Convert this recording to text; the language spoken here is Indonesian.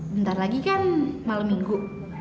bentar lagi kan malam minggu